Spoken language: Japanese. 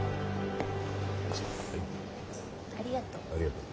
ありがとう。